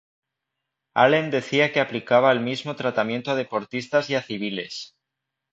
Allen decía que aplicaba el mismo tratamiento a deportistas y a "civiles".